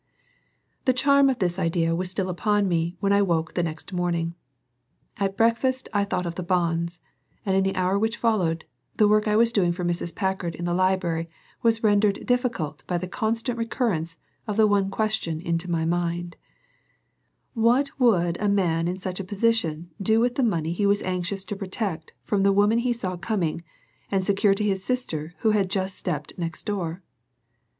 The charm of this idea was still upon me when I woke the next morning. At breakfast I thought of the bonds, and in the hour which followed, the work I was doing for Mrs. Packard in the library was rendered difficult by the constant recurrence of the one question into my mind: "What would a man in such a position do with the money he was anxious to protect from the woman he saw coming and secure to his sister who had just stepped next door?"